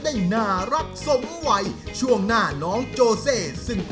แม้นานกี่ปีจะไปถึง